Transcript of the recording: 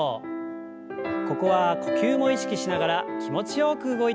ここは呼吸も意識しながら気持ちよく動いてください。